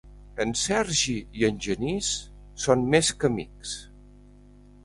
En Sergi i en Genís són més que amics.